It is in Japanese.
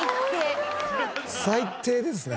最低ですね。